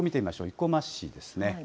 生駒市ですね。